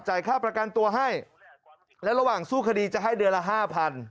ค่าประกันตัวให้และระหว่างสู้คดีจะให้เดือนละห้าพัน